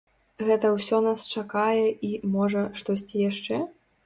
Гэта ўсё нас чакае і, можа, штосьці яшчэ?